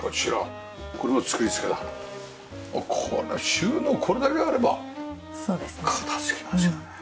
収納これだけあれば片付きますよね。